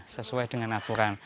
sesuai dengan aturan